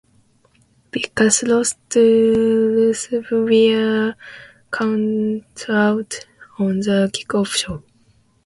Big Cass lost to Rusev via countout on the kickoff show.